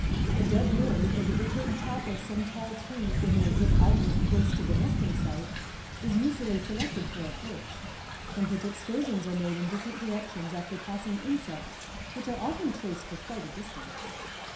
A dead limb or the decayed top of some tall tree giving a good outlook close to the nesting site, is usually selected for a perch, from which excursions are made in different directions after passing insects, which are often chased for quite a distance.